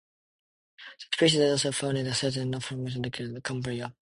The species is also found in the Chilterns, North Wales, Lincolnshire and Cumbria.